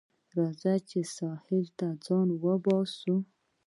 راځه چې ساحل ته ځان وباسو